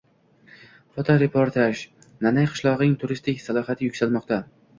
Fotoreportaj: Nanay qishlogʻining turistik salohiyati yuksalmoqda